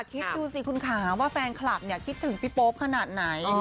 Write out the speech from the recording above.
คิดนะครับคุณค้าว่าแฟนคลับคิดถึงพี่โป๊ปขนาดไหน